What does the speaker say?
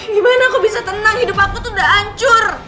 gimana aku bisa tenang hidup aku tuh gak hancur